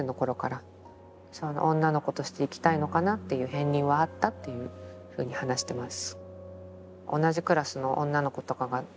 片りんはあったっていうふうに話してます。